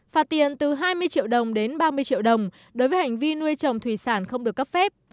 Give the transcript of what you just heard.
phạt tiền từ hai mươi triệu đồng đến ba mươi triệu đồng đối với hành vi nuôi trồng thủy sản không được cấp phép